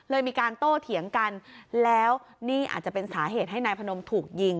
มีการโต้เถียงกันแล้วนี่อาจจะเป็นสาเหตุให้นายพนมถูกยิง